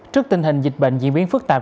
trước tình hình dịch bệnh diễn biến phức tạp